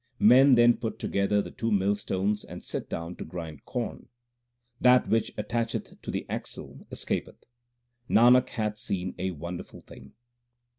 Men then put together the two mill stones and sit down to grind corn. That which attacheth to the axle escapeth. Nanak hath seen a wonderful thing.